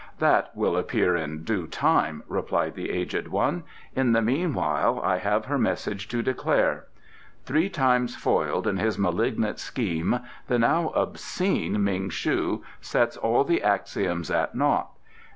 "That will appear in due time," replied the aged one. "In the meanwhile I have her message to declare. Three times foiled in his malignant scheme the now obscene Ming shu sets all the Axioms at naught.